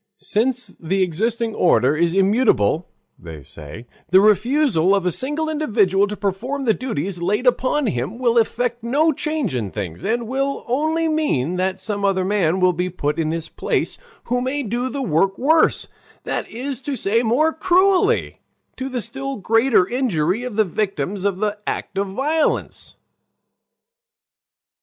"Since the existing order is immutable," they say, "the refusal of a single individual to perform the duties laid upon him will effect no change in things, and will only mean that some other man will be put in his place who may do the work worse, that is to say, more cruelly, to the still greater injury of the victims of the act of violence."